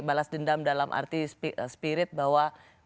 balas dendam dalam arti spirit bahwa